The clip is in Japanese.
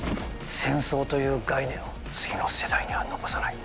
戦争という概念を次の世代には残さない。